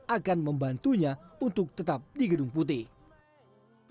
akan membantunya untuk tetap di gedung putih